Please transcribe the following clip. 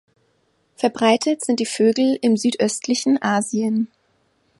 Verbreitet sind die Vögel im südöstlichen Asien.